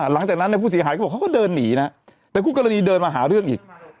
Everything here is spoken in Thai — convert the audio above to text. หลังจากนั้นผู้เสียหายก็บอกเขาก็เดินหนีนะแต่คู่กรณีเดินมาหาเรื่องอีก